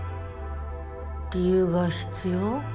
理由が必要？